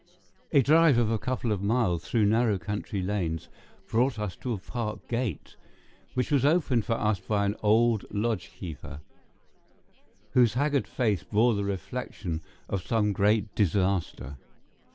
A drive of a couple of miles through narrow country lanes brought us to a park gate, which was opened for us by an old lodge keeper, whose haggard face bore the reflection of some great disaster.